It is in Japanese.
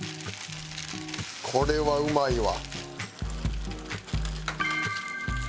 これはうまいわ！